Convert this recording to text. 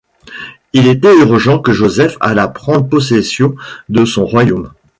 Il était urgent que Joseph allât prendre possession de son royaume.